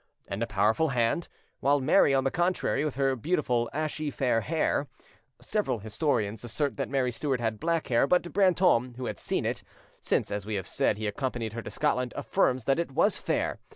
]—and a powerful hand, while Mary, on the contrary, with her beautiful ashy fair hair,—[Several historians assert that Mary Stuart had black hair; but Brantome, who had seen it, since, as we have said, he accompanied her to Scotland, affirms that it was fair.